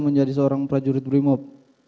menjadi seorang prajurit brimop